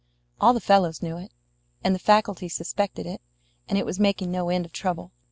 All the fellows knew it, and the faculty suspected it; and it was making no end of trouble.